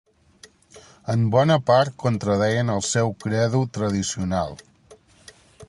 En bona part contradeien al seu credo tradicional